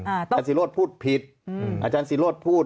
อาจารย์ศิโรธพูดผิดอาจารย์ศิโรธพูด